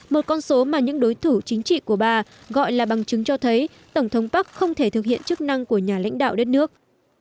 một con số mà những đối thủ chính trị của bà gọi là bằng chứng cho thấy tổng thống park không thể thực hiện chức năng của nhà lãnh đạo đất nước